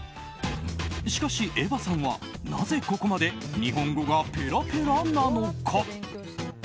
しかし、エヴァさんはなぜここまで日本語がペラペラなのか。